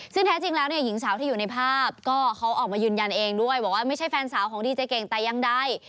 ซึ่งแท้จริงแล้วเนี่ยหญิงสาวที่อยู่ในภาพก็เขาออกมายืนยันเองด้วยบอกว่าไม่ใช่แฟนสาวของดีเจเก่งแต่ยังใด